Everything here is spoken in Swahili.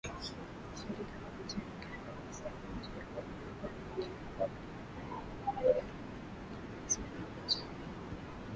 Shirika hilo nchini Uganda (SMUG) kwa miaka mingi limekuwa likipigia debe haki za wapenzi wa jinsia moja nchini Uganda